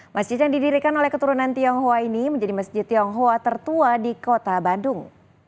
masjid yang didirikan oleh keturunan tionghoa ini menjadi masjid tionghoa tertua di kota bandung